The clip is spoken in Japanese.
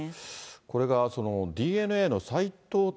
これがＤｅＮＡの斎藤隆